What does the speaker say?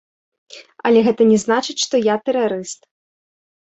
Але гэта не значыць, што я тэрарыст.